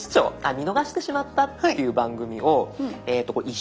見逃してしまったっていう番組を１週間ですかね